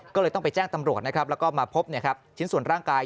ก็เลยต้องไปแจ้งตำรวจนะครับแล้วก็มาพบชิ้นส่วนร่างกาย